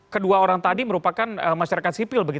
kedua orang tadi merupakan masyarakat sipil